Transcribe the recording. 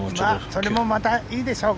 それもまたいいでしょう。